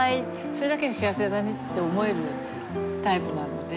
それだけで幸せだねって思えるタイプなので。